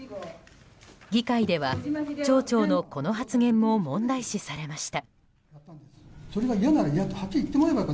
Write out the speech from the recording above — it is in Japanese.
議会では町長のこの発言も問題視されました。